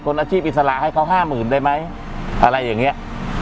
อาชีพอิสระให้เขาห้าหมื่นได้ไหมอะไรอย่างเงี้ย